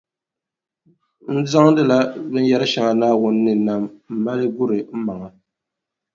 N zaŋdila binyɛrʼ shɛŋa Naawuni ni nam m-mali guri m maŋa.